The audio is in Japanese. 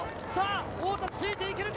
太田、ついていけるか？